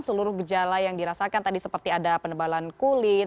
seluruh gejala yang dirasakan tadi seperti ada penebalan kulit